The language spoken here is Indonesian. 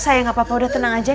saya gapapa udah tenang aja